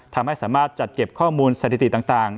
ทำให้สามารถจัดเก็บข้อมูลสถิติต่าง